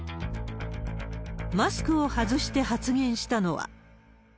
マスクを外して発言したのは。